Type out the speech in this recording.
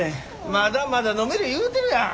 まだまだ飲める言うてるやん。